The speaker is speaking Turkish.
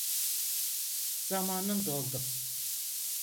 Zamanın doldu.